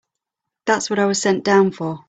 That's what I was sent down for.